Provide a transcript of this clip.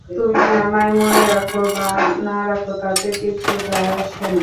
তুমি আমায় মনে রাখো বা না রাখো তাতে কিচ্ছু যায় আসে না।